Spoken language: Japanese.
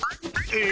え？